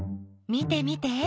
見て見て！